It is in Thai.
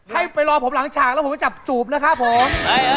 ให้ไปรอผมหลังฉากแล้วผมไปจับจูบนะครับผม